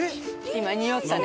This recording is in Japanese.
今におったね。